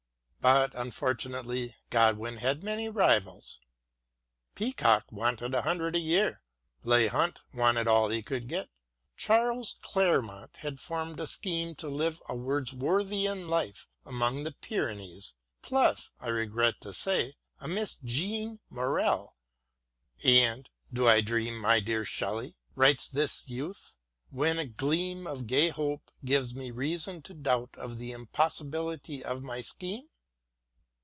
But unfor tunately Godwin had many rivals. Peacock wanted a hundred a year. Leigh Hunt wanted all he could get. Charles Clairmont had formed a scheme to live a Wordsworthian life among the Pyrenees — ^plus, I regret to say, a Miss Jeanne Morel — ^and " Do I dream, my dear Shelley," writes this youth, " when a gleam of gay hope gives me reason to doubt of the impossibility of my scheme